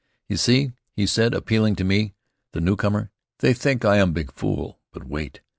"You see?" he said, appealing to me, the newcomer. "They think I am big fool. But wait."